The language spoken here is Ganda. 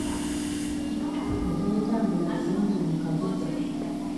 Ebyentambula birungi mu kabuga.